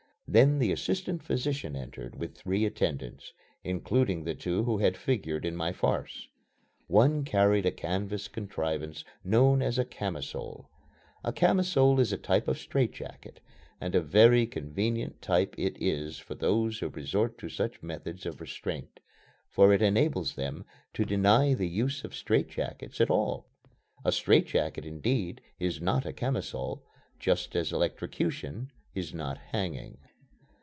Then the assistant physician entered with three attendants, including the two who had figured in my farce. One carried a canvas contrivance known as a camisole. A camisole is a type of straitjacket; and a very convenient type it is for those who resort to such methods of restraint, for it enables them to deny the use of strait jackets at all. A strait jacket, indeed, is not a camisole, just as electrocution is not hanging.